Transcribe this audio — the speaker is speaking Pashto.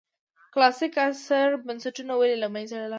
کلاسیک عصر بنسټونه ولې له منځه لاړل.